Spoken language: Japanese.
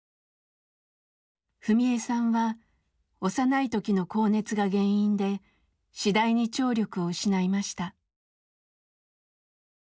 史恵さんは幼い時の高熱が原因で次第に聴力を失いました。